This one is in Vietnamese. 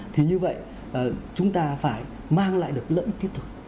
thì như vậy chúng ta phải mang lại được lợi ích thiết thực